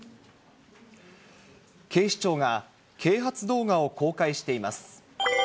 警視庁が啓発動画を公開しています。